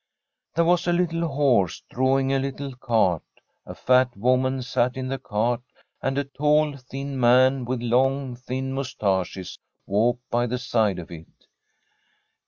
There was a little horse, drawing a little cart ; a fat woman sat in the cart, and a tall, thin man, with long, thin moustaches walked by the side of it.